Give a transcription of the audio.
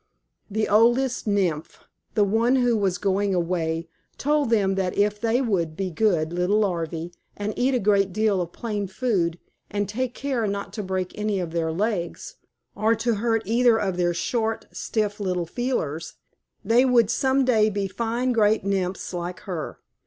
The Oldest Nymph, the one who was going away, told them that if they would be good little larvæ, and eat a great deal of plain food and take care not to break any of their legs, or to hurt either of their short, stiff little feelers, they would some day be fine great Nymphs like her.